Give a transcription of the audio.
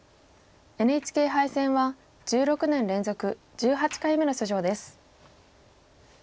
ＮＨＫ杯戦は１６年連続１８回目の出場です。